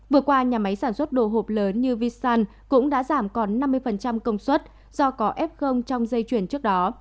vừa qua nhà máy sản xuất đồ hộp lớn như visan cũng đã giảm còn năm mươi công suất do có f trong dây chuyển trước đó